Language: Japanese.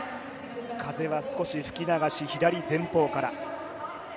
風は少し吹き流し、左前方から。